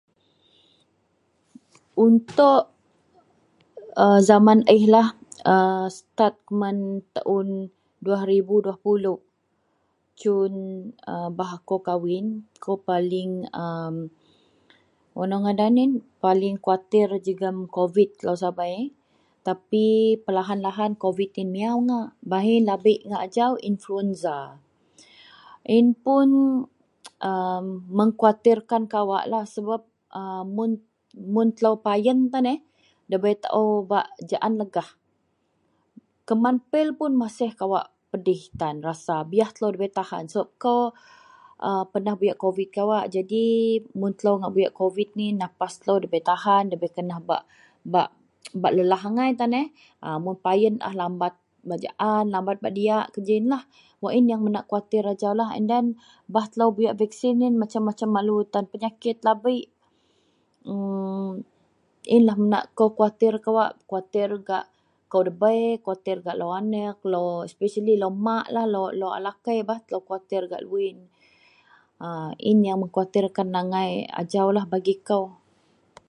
Untuk a jaman ihlah, a setat keman taun 2020, cun a bah akou kawin, kou paling a wa nou ngadan yin, paling kuwatir jegem kobid jelau sabei tapi pelahan-lahan kobid yen miyau ngak. Baih yen labik ngak ajau influenza. Yin pun a mengkuwatirkan kawaklah sebab a mun, mun telou payen tan eh ndabei taou bak jaan legah. Keman pil pun maseh kawak pedeh tan rasa. Biyaih telou ndabei tahan sebab kou a penah buyak kobid kawak. Mun telou ngak buyak kobid, nafas telou ndabei tahan, ndabei kenah bak, bak, bak lelah angai tan eh. A mun payen lambat bak jaan, lambat bak diyak, kejiyenlah wak yen menak kuwatir ajau. en den baih telou buyak vaksin yen macem-macem lalu tan penyakit labek, emm.. yenlah menak akou kuwatir kawak, kuwatir gak kou debei, kuwatir gak lou aneak, lou spesiali lou maklah, lou alakei bah. Telou kuwatir gak luwin, A yin wak mengkuwatir tan angai bagi kou.